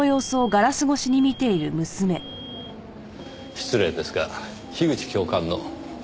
失礼ですが樋口教官の？